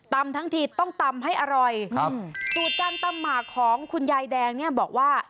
ทั้งทีต้องตำให้อร่อยครับสูตรการตำหมากของคุณยายแดงเนี่ยบอกว่า